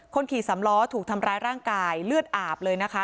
ขี่สำล้อถูกทำร้ายร่างกายเลือดอาบเลยนะคะ